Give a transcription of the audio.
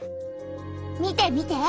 見て見て！